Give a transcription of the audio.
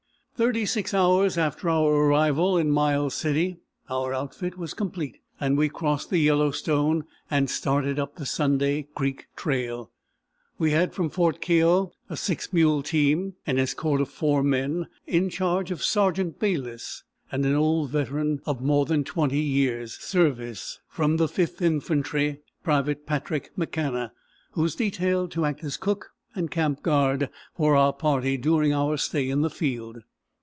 Thirty six hours after our arrival in Miles City our outfit was complete, and we crossed the Yellowstone and started up the Sunday Creek trail. We had from Fort Keogh a six mule team, an escort of four men, in charge of Sergeant Bayliss, and an old veteran of more than twenty years' service, from the Fifth Infantry, Private Patrick McCanna, who was detailed to act as cook and camp guard for our party during our stay in the field.